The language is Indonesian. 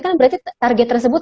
kan berarti target tersebut